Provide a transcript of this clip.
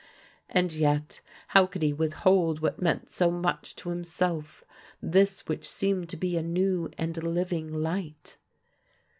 And yet how could he withhold what meant so much to himself, this which seemed to be a new and living light?